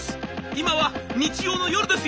今は日曜の夜ですよ？